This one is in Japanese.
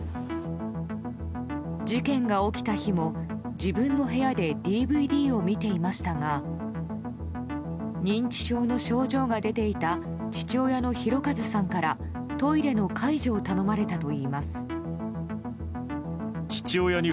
事件が起きた日も、自分の部屋でＤＶＤを見ていましたが認知症の症状が出ていた父親の博和さんからトイレの介助を頼まれたといいます。